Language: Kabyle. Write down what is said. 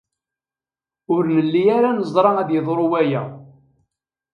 Ur nelli ara neẓra ad yeḍru waya.